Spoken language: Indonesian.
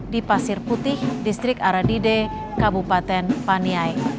di pasir putih distrik aradide kabupaten paniai